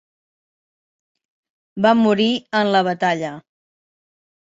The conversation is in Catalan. Va morir en la batalla.